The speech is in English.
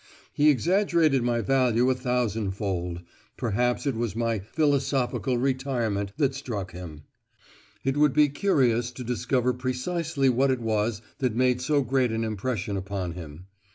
He exaggerated my value a thousand fold; perhaps it was my 'philosophical retirement' that struck him! It would be curious to discover precisely what it was that made so great an impression upon him.